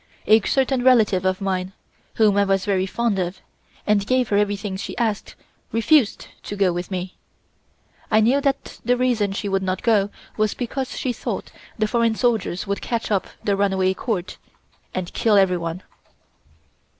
A certain relative of mine, whom I was very fond of, and gave her everything she asked, refused to go with me. I knew that the reason she would not go was because she thought the foreign soldiers would catch up the runaway Court, and kill everyone.